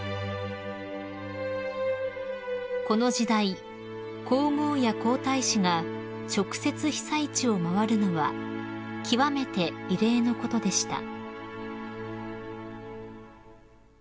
［この時代皇后や皇太子が直接被災地を回るのは極めて異例のことでした］